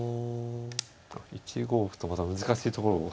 １五歩とまた難しいところを。